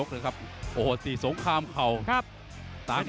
หรือว่าผู้สุดท้ายมีสิงคลอยวิทยาหมูสะพานใหม่